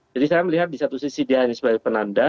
jadi saya melihat di satu sisi dia sebagai penanda